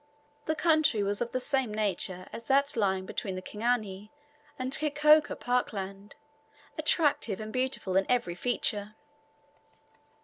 The country was of the same nature as that lying between the Kingani and Kikokaa park land, attractive and beautiful in every feature.